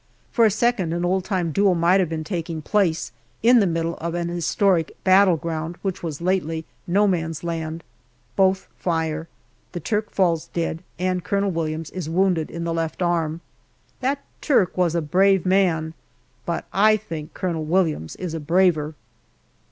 For a second an old time duel might have been taking place, in the middle of an historic battleground, which was lately No man's land. Both fire ; the Turk falls dead, and Colonel Williams is wounded in the left arm. That Turk was a brave man, but I think Colonel Williams is a braver.